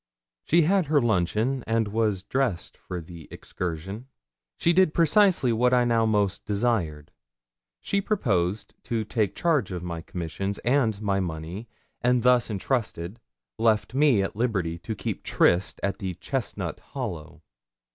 She had had her luncheon, and was dressed for the excursion, she did precisely what I now most desired she proposed to take charge of my commissions and my money; and thus entrusted, left me at liberty to keep tryst at the Chestnut Hollow.